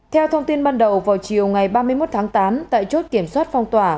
theo thông tin ban đầu vào chiều ngày ba mươi một tháng tám tại chốt kiểm soát phong tỏa